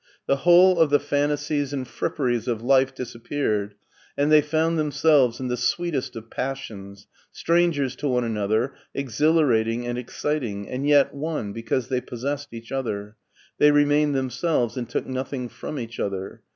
The^hole of the fan tasies and fripperies of life disappeared, and they found themselves in the sweetest of passions, strangers to one another, exhilarating and exciting, and yet one because they possessed each other. They remained themselves and took nothing from each other.